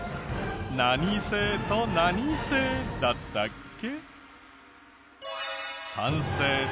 何性と何性だったっけ？